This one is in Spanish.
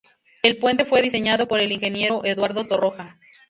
El puente fue diseñado por el ingeniero Eduardo Torroja.